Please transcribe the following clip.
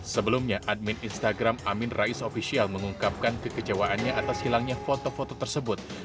sebelumnya admin instagram amin rais official mengungkapkan kekecewaannya atas hilangnya foto foto tersebut